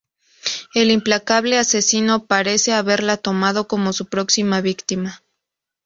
El implacable asesino parece haberla tomado como su próxima víctima.